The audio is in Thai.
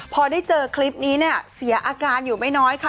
พอได้เจอคลิปนี้เนี่ยเสียอาการอยู่ไม่น้อยค่ะ